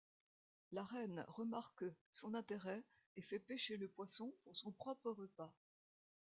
La reine remarque son intérêt et fait pêcher le poisson pour son propre repas.